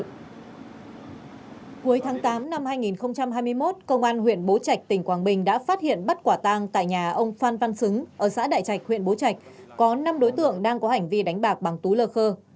cuối tháng tám năm hai nghìn hai mươi một công an huyện bố trạch tỉnh quảng bình đã phát hiện bắt quả tang tại nhà ông phan văn xứng ở xã đại trạch huyện bố trạch có năm đối tượng đang có hành vi đánh bạc bằng tú lơ khơ